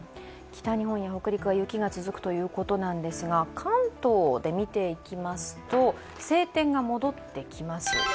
北日本や北陸は雪が続きということですが関東で見ていきますと、晴天が戻ってきます。